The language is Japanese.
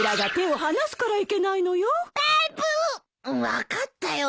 分かったよ。